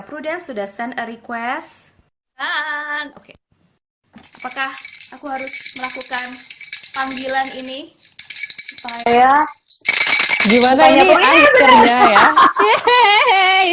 prudence sudah send a request dan oke apakah aku harus melakukan panggilan ini supaya gimana ini